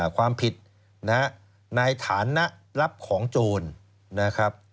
ความผิดในฐานะรับของโจรนะครับ